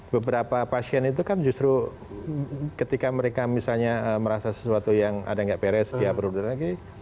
beberapa pasien itu kan justru ketika mereka misalnya merasa sesuatu yang ada nggak beres dia berudah lagi